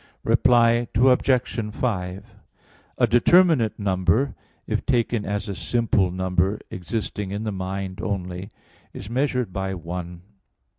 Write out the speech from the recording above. Reply Obj. 5: A determinate number, if taken as a simple number, existing in the mind only, is measured by one.